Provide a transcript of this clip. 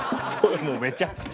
もうめちゃくちゃ。